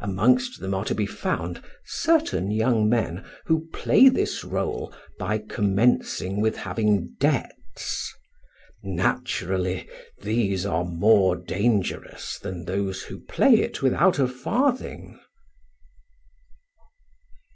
Amongst them are to be found certain young men who play this role by commencing with having debts. Naturally, these are more dangerous than those who play it without a farthing.